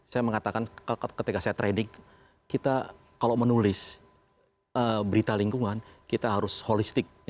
saya mengatakan ketika saya trading kita kalau menulis berita lingkungan kita harus holistik